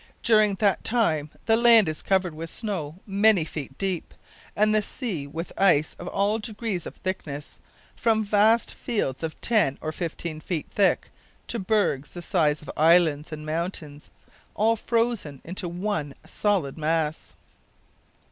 During that time the land is covered with snow many feet deep, and the sea with ice of all degrees of thickness from vast fields of ten or fifteen feet thick to bergs the size of islands and mountains all frozen into one solid mass.